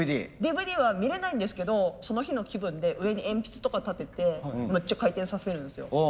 ＤＶＤは見れないんですけどその日の気分で上に鉛筆とか立ててめっちゃ回転させるんですよ。